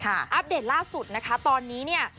อัปเดตล่าสุดนะคะตอนนี้เนี่ย